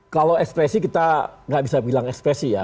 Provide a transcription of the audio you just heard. kalau ekspresi kita nggak bisa bilang ekspresi ya